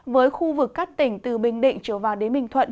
với khu vực các tỉnh từ bình định trở vào đến bình thuận